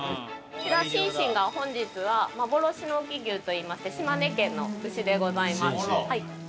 こちらシンシンが本日は幻の隠岐牛といいまして島根県の牛でございます。